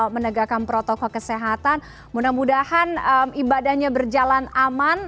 menegakkan protokol kesehatan mudah mudahan ibadahnya berjalan aman